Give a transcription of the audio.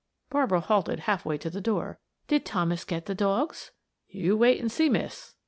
Barbara halted half way to the door. "Did Thomas get the dogs?" "You wait and see, miss."